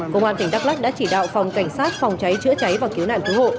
công an tỉnh đắk lắc đã chỉ đạo phòng cảnh sát phòng cháy chữa cháy và cứu nạn cứu hộ